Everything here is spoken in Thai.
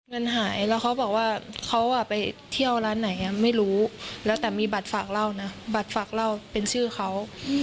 เงินหายแล้วเขาบอกว่าเขาไปเที่ยวร้านไหนไม่รู้แล้วแต่มีบัตรฝากเล่านะบัตรฝากเล่าเป็นชื่อเขา